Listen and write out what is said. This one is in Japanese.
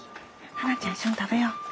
葉埜ちゃん一緒に食べよう。